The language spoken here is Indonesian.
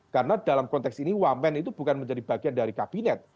karena dalam konteks ini wamen itu bukan menjadi bagian dari kabinet